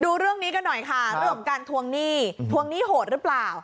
ดูเรื่องนี้กันหน่อยค่ะเรื่องของการทวงหนี้ทวงหนี้โหดหรือเปล่า